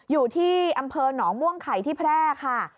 อยู่ที่อำเภอหนองม่วงไข่ที่แพร่ค่ะ